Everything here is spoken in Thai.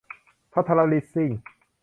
ภัทรลิสซิ่ง